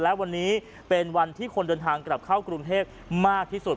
และวันนี้เป็นวันที่คนเดินทางกลับเข้ากรุงเทพมากที่สุด